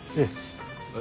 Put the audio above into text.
ええ。